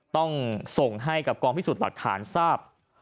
ต้องส่งให้กับกองพิสูจน์หลักฐานทราบ